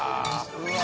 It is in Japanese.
うわ。